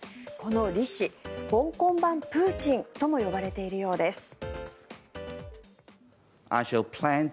このリ氏、香港版プーチンとも呼ばれているようです。